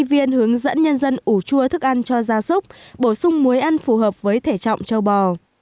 viên hướng dẫn nhân dân ủ chua thức ăn cho gia súc bổ sung muối ăn phù hợp với thể trọng châu bò